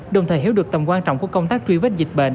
đồng thời hiểu được tầm quan trọng của công tác truy vết dịch bệnh